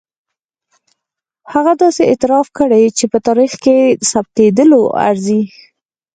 هغه داسې اعتراف کړی چې په تاریخ کې ثبتېدلو ارزي.